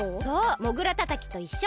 モグラたたきといっしょ！